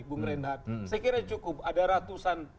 bung reinhardt saya kira cukup ada ratusan